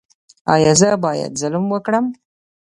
ایا زه باید ظلم وکړم؟